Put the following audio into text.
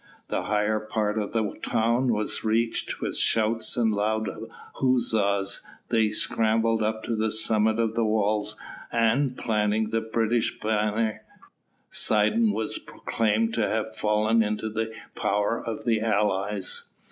The higher part of the town was reached; with shouts and loud huzzas they scrambled up to the summit of the walls, and, planting the British banner, Sidon was proclaimed to have fallen into the power of the allies.